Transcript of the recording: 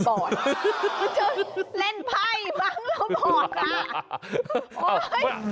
มันเชื่อเล่นไพ่มั้งว่าบ่อดน่ะ